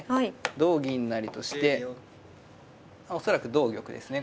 同銀成として恐らく同玉ですね